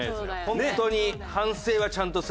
本当に。